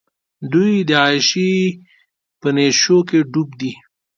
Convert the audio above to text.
دوۍ د عیاشۍ په نېشوکې ډوب دي.